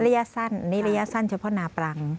ระยะสั้นนี่ระยะสั้นเฉพาะนาปรัง